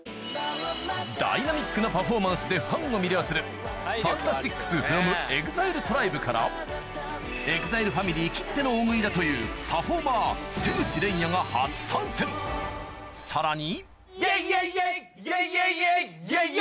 ダイナミックなパフォーマンスでファンを魅了する ＦＡＮＴＡＳＴＩＣＳｆｒｏｍＥＸＩＬＥＴＲＩＢＥ から ＥＸＩＬＥ ファミリーきっての大食いだというパフォーマー瀬口黎弥が初参戦さらに